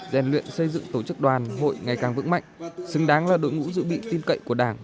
rèn luyện xây dựng tổ chức đoàn hội ngày càng vững mạnh xứng đáng là đội ngũ dự bị tin cậy của đảng